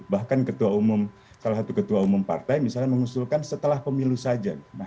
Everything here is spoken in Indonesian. bahkan salah satu ketua umum partai mengusulkan setelah pemilu saja